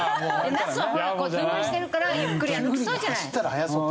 ナスはほらずんぐりしてるからゆっくり歩きそうじゃない。